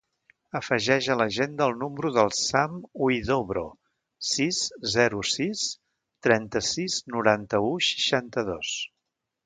Afegeix a l'agenda el número del Sam Huidobro: sis, zero, sis, trenta-sis, noranta-u, seixanta-dos.